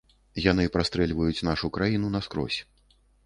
Яны прастрэльваюць нашу краіну наскрозь.